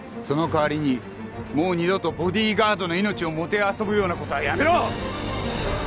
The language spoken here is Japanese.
その代わりにもう二度とボディーガードの命をもてあそぶような事はやめろ！